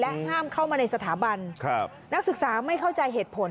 ห้ามเข้ามาในสถาบันนักศึกษาไม่เข้าใจเหตุผล